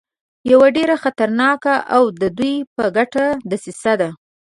یوه ډېره خطرناکه او د دوی په ګټه دسیسه ده.